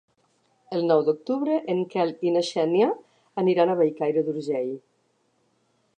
El nou d'octubre en Quel i na Xènia aniran a Bellcaire d'Urgell.